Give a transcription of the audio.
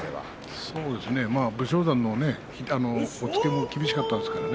そうですね武将山の押っつけも厳しかったですからね